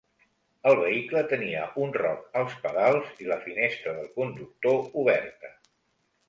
El vehicle tenia un roc als pedals i la finestra del conductor oberta.